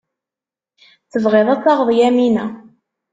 Tebɣiḍ ad taɣeḍ Yamina.